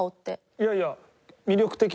いやいや。